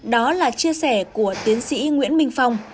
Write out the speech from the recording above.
đó là chia sẻ của tiến sĩ nguyễn minh phong